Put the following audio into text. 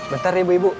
bentar ya ibu ibu